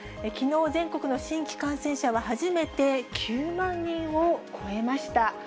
きのう、全国の新規感染者は初めて９万人を超えました。